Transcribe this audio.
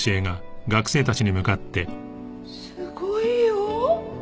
すごいよ！